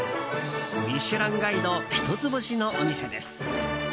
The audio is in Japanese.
「ミシュランガイド」一つ星のお店です。